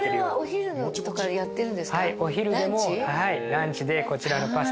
お昼でもはいランチでこちらのパスタ。